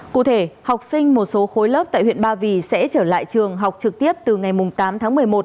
cụ thể học sinh một số khối lớp tại huyện ba vì sẽ trở lại trường học trực tiếp từ ngày tám tháng một mươi một